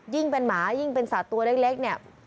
ยิ่งเป็นหมายิ่งเป็นสัตว์ตัวเล็กเนี่ย